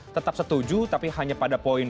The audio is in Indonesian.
tetap setuju tapi hanya pada poin